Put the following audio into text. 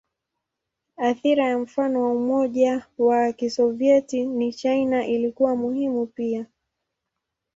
Athira ya mfano wa Umoja wa Kisovyeti na China ilikuwa muhimu pia.